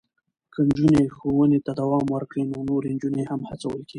که نجونې ښوونې ته دوام ورکړي، نو نورې نجونې هم هڅول کېږي.